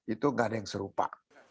itu gak ada yang serupa